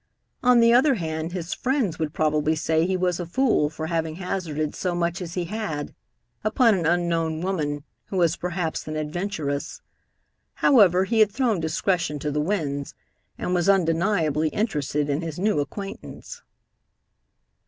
On the other hand, his friends would probably say he was a fool for having hazarded so much as he had upon an unknown woman, who was perhaps an adventuress. However, he had thrown discretion to the winds, and was undeniably interested in his new acquaintance.